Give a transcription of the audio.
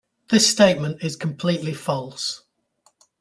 This statement is completely false.